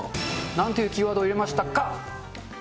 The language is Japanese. なんというキーワードを入れましたか？